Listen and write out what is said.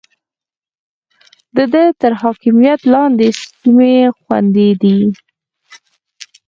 د ده تر حاکميت لاندې سيمې خوندي دي.